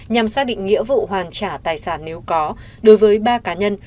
nhằm xác định nghĩa vụ hoàn trả tài sản nếu có đối với ba cá nhân